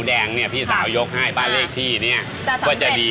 แต่นี้ผมก็ทำไหนดี